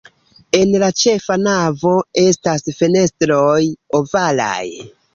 En la ĉefa navo estas fenestroj ovalaj.